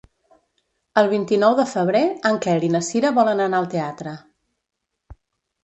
El vint-i-nou de febrer en Quer i na Cira volen anar al teatre.